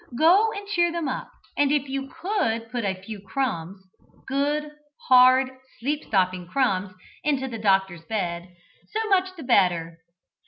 Go and cheer them up; and if you could put a few crumbs good, hard, sleep stopping crumbs into the doctor's bed, so much the better.